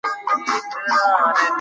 د فیل په اړه علمي معلومات ورکول کېږي.